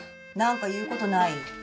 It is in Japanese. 何か言うことない？